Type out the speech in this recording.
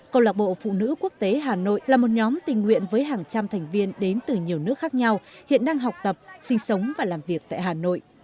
câu lạc bộ phụ nữ quốc tế hà nội là một nhóm tình nguyện với hàng trăm thành viên đến từ nhiều nước khác nhau hiện đang học tập sinh sống và làm việc tại hà nội